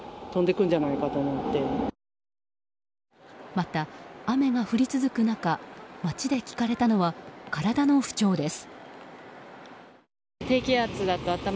また雨が降り続く中街で聞かれたのは体の不調です。